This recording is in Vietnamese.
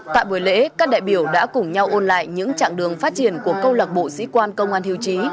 tại buổi lễ các đại biểu đã cùng nhau ôn lại những trạng đường phát triển của câu lạc bộ sĩ quan công an hiêu chí